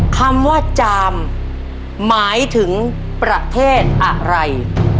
คำว่าจามหมายถึงประเทศอะไร